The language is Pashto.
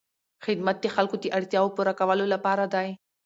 خدمت د خلکو د اړتیاوو پوره کولو لپاره دی.